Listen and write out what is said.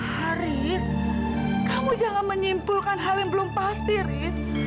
haris kamu jangan menyimpulkan hal yang belum pasti riz